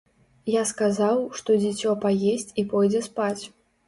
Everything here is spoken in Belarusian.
Я сказаў, што дзіцё паесць і пойдзе спаць.